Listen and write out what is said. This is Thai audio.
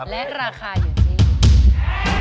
และราคาอยู่ที่แพงกว่า